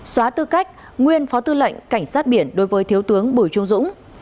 xóa tư cách nguyên phó tư lệnh cảnh sát biển đối với thiếu tướng bùi trung dũng